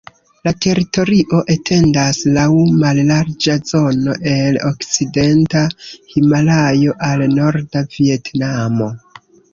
La teritorio etendas laŭ mallarĝa zono el okcidenta Himalajo al norda Vjetnamo.